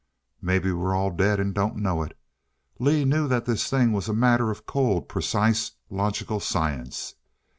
Maybe we're all dead and don't know it.... Lee knew that this thing was a matter of cold, precise, logical science....